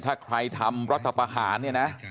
ถ้าใครทำรัฐประหารเนี่ยนะ